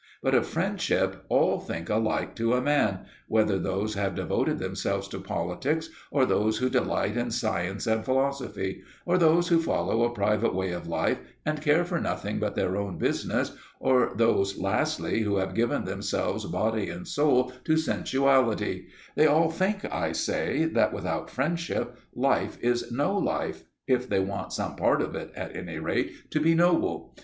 But of friendship all think alike to a man, whether those have devoted themselves to politics, or those who delight in science and philosophy, or those who follow a private way of life and care for nothing but their own business, or those lastly who have given themselves body and soul to sensuality they all think, I say, that without friendship life is no life, if they want some part of it, at any rate, to be noble.